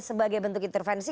sebagai bentuk intervensi